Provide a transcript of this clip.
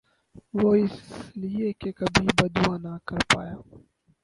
وُہ اس لئے کہ کبھی بد دُعا نہ کر پایا